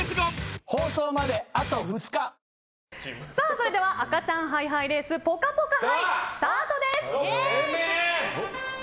それでは赤ちゃんハイハイレースぽかぽか杯スタートです！